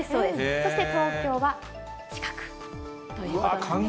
そして東京は四角ということなんです。